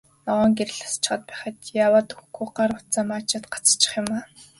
Ногоон гэрэл асчхаад байхад яваад өгөхгүй, гар утсаа маажаад гацчих юм аа.